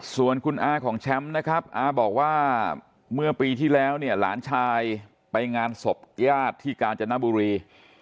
ส่วนคุณอาของแชมป์นะครับอาบอกว่าเมื่อปีที่แล้วเนี่ยหลานชายไปงานศพญาติที่กาญจนบุรี